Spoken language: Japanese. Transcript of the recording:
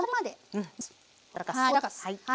はい。